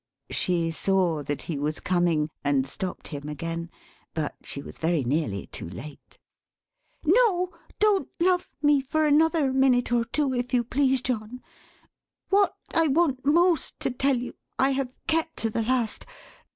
She saw that he was coming; and stopped him again. But she was very nearly too late. "No, don't love me for another minute or two, if you please John! What I want most to tell you, I have kept to the last.